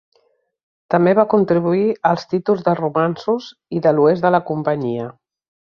També va contribuir als títols de romanços i de l"oest de la companyia.